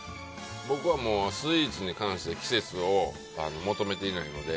僕はスイーツに関しては季節を求めていないので。